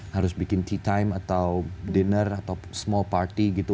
harus bikin siang teh atau makan malam atau partai kecil gitu